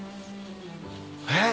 えっ？